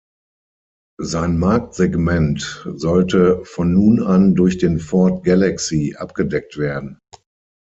Sein Marktsegment sollte von nun an durch den Ford Galaxie abgedeckt werden.